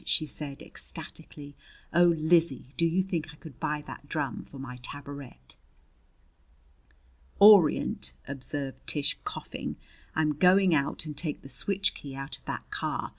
she said ecstatically. "Oh, Lizzie, do you think I could buy that drum for my tabouret?" "Orient!" observed Tish, coughing. "I'm going out and take the switch key out of that car.